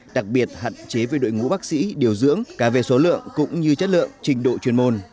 đặc biệt hạn chế về đội ngũ bác sĩ điều dưỡng cả về số lượng cũng như chất lượng trình độ chuyên môn